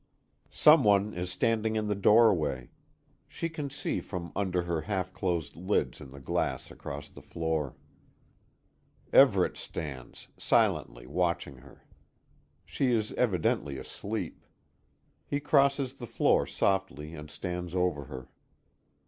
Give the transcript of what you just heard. Some one is standing in the doorway she can see from under her half closed lids in the glass across the room. Everet stands, silently, watching her. She is evidently asleep. He crosses the floor softly and stands over her.